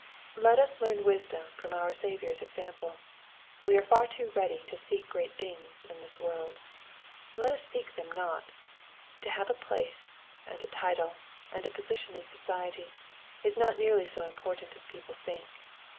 Let us learn wisdom from our Saviour's example. We are far too ready to " seek great things" in this world. Let us seek them not. To have a place^ and a title^ and a position in society, is not nearly so important as people think.